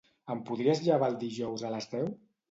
Em podries llevar el dijous a les deu?